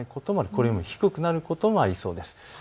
これよりも低くなることもありそうです。